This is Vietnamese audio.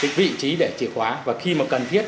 cái vị trí để chìa khóa và khi mà cần thiết